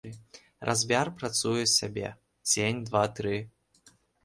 Разьбяр працуе сабе дзень, два, тры.